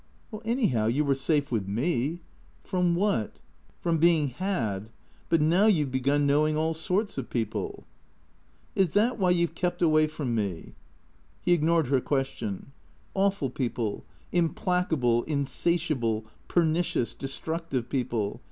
" Anyhow, you were safe with me." " From what ?"" From being * had.' But now you 've begun knowing all sorts of people "" Is that why you 've kept away from me ?" He ignored her question. " Awful people, implacable, insa tiable, pernicious, destructive people.